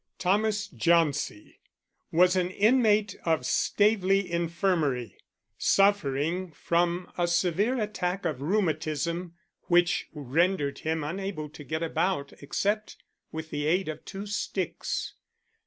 Thomas Jauncey was an inmate of Staveley Infirmary, suffering from a severe attack of rheumatism which rendered him unable to get about except with the aid of two sticks.